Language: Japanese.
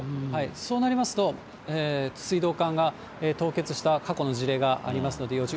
そうなりますと、水道管が凍結した過去の事例がありますので、要注意。